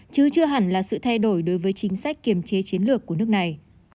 chứ chưa hẳn là sự thay đổi đối với chính sách kiềm chế chiến lược của nước này